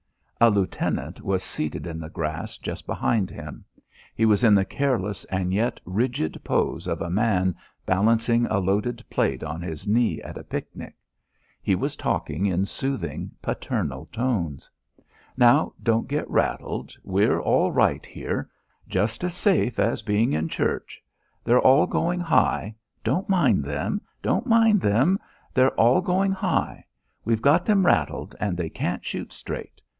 A lieutenant was seated in the grass just behind him. He was in the careless and yet rigid pose of a man balancing a loaded plate on his knee at a picnic. He was talking in soothing paternal tones. "Now, don't get rattled. We're all right here. Just as safe as being in church.... They're all going high. Don't mind them.... Don't mind them.... They're all going high. We've got them rattled and they can't shoot straight.